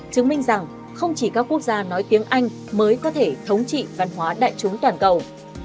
chứng minh rằng không chỉ các quốc gia nói tiếng anh mới có thể thống trị văn hóa đại chúng toàn cầu